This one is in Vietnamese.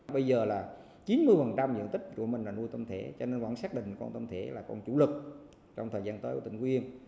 bây giờ là chín mươi diện tích của mình là nuôi tôm thẻ cho nên vẫn xác định con tôm thể là con chủ lực trong thời gian tới của tỉnh quyên